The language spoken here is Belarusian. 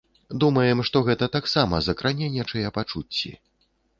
Думаем, што гэта таксама закране нечыя пачуцці.